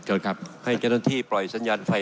ให้เจ้าหน้าที่ปล่อยสัญญาณไฟ